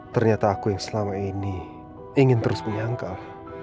ternyata aku yang selama ini ingin terus menyangkal